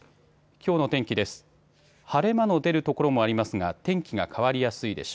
きょうの天気です。